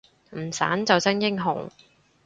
唔散就真英雄